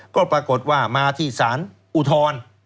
ก็ปรากฏว่ามาที่สารอุทธร